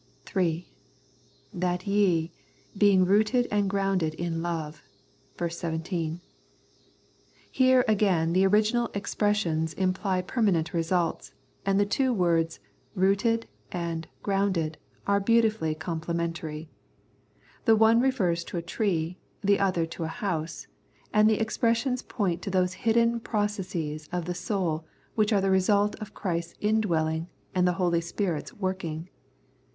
(3) " That ye, being rooted and grounded in love " (ver. 17). Here again the original expressions imply permanent results, and the two words " rooted " and " grounded " are beautifully complementary. The one refers to a tree, the other to a house, and the ex pressions point to those hidden processes of the soul which are the result of Christ's in dwelling and the Holy Spirit's working.